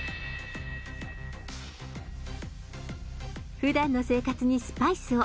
ふだんの生活にスパイスを。